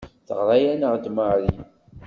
Teɣra-aneɣ-d Mary.